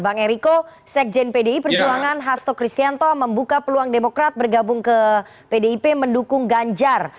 bang eriko sekjen pdi perjuangan hasto kristianto membuka peluang demokrat bergabung ke pdip mendukung ganjar